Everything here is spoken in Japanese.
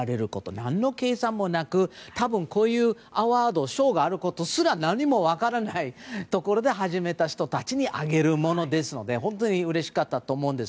何の計算もなく多分こういうアワードがあることすら何も分からないところで始めた人たちにあげるものですので本当にうれしかったと思うんです。